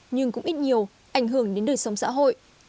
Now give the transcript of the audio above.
nhưng cũng ít nhiều ảnh hưởng đến đời sống xã hội